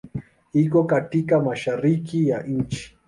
Iko katika Mashariki ya nchi.